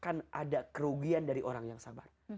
karena dia akan memiliki kerugian dari orang yang sabar